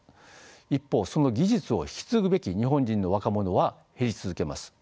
一方その技術を引き継ぐべき日本人の若者は減り続けます。